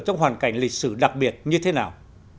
trong hoàn cảnh lịch sử đặc biệt như thế nào